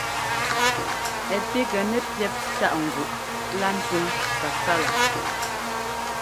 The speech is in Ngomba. Ɛ píkŋɛ nɛ píɛp tâʼ nguʼ lá ntuŋ kasálaa.